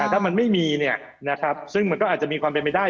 ถ้ามันไม่มีซึ่งมันก็อาจจะมีความเป็นไปได้